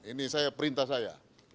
ini saya perintah saya